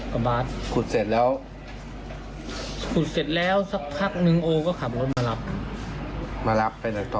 ขุดเสร็จแล้วสักพักโอก็ขับรถมารับ